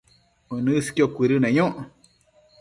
uënësqio cuëdëneyoc